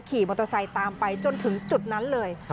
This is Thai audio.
ขี่มอเตอร์ไซค์ตามไปจนถึงจุดนั้นเลย